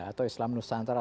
atau islam nusantara